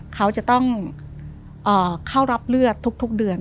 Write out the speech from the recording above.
เขาจะต้องเข้ารับเลือดทุกเดือน